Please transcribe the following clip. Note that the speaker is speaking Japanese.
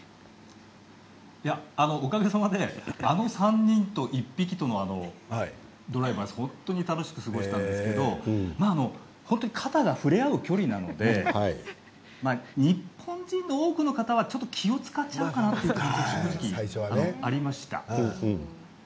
おかげさまであの３人と１匹とのドライブはとても楽しく過ごしたんですけど本当に肩が触れ合う距離なので日本人の多くの方はちょっと気を遣ってしまうかなと正直、思いました。